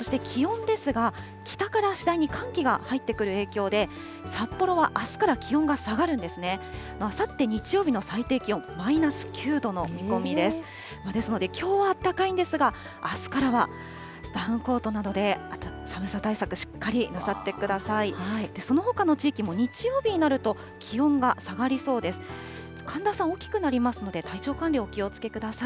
ですのできょうあったかいんですが、あすからはダウンコートなどで寒さ対策、しっかりなさってください。